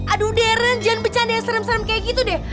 aduh darren jangan bercanda yang serem serem kayak gitu deh